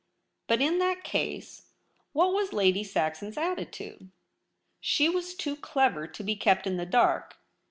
But in that case, what was Lady 22 THE REBEL ROSE. Saxon's attitude ? She was too clever to be kept in the dark.